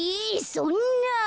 そんな。